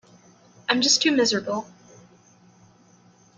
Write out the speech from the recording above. I'm just too miserable.